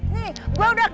nih gue udah